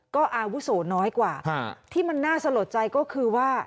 ก็อาวุโสน้อยกว่าที่มันน่าสะหรับใจก็คือว่า